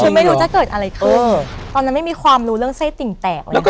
คือไม่รู้จะเกิดอะไรขึ้นตอนนั้นไม่มีความรู้เรื่องไส้ติ่งแตกเลยค่ะ